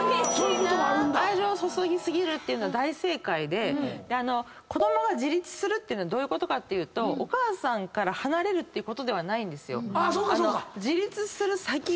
愛情を注ぎ過ぎるのは大正解で子供が自立するのはどういうことかっていうとお母さんから離れるってことではないんですよ。